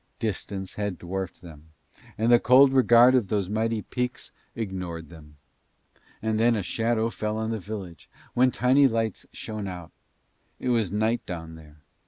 Distance had dwarfed them, and the cold regard of those mighty peaks ignored them. And then a shadow fell on the village, then tiny lights shone out. It was night down there.